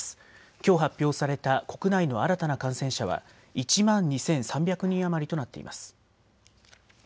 きょう発表された国内の新たな感染者は１万２３００人余りとなっています。